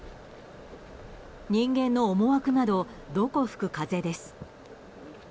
人間の思惑などどこ吹く風です。